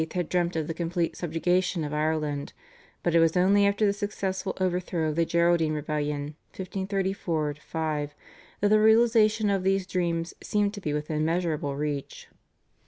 had dreamt of the complete subjugation of Ireland, but it was only after the successful overthrow of the Geraldine Rebellion (1534 5) that the realisation of these dreams seemed to be within measurable reach.